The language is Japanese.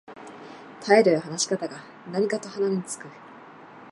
態度や話し方が何かと鼻につく